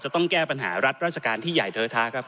ต้องแก้ปัญหารัฐราชการที่ใหญ่เทอท้าครับ